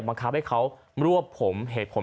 บังคับให้เขารวบผมเหตุผล